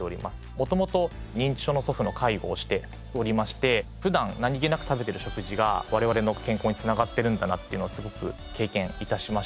元々認知症の祖父の介護をしておりまして普段何げなく食べている食事が我々の健康に繋がってるんだなっていうのをすごく経験致しまして。